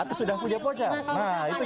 ada dalam buku